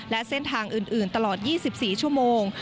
และเส้นทางอื่นตลอด๒๔ชั่วโมง